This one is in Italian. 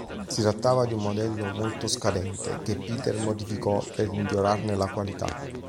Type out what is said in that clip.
Si trattava di un modello molto scadente, che Peter modificò per migliorarne la qualità.